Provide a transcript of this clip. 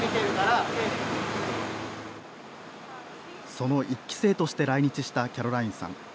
その１期生として来日したキャロラインさん。